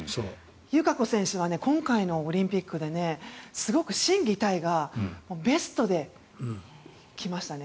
友香子選手は今回のオリンピックですごく心技体がベストで来ましたね。